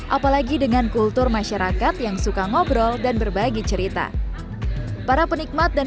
apalagi dengan kultur masyarakat yang suka ngobrol dan berbagi cerita para penikmat dan